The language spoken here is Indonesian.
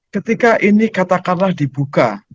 ketika ini katakanlah dibuka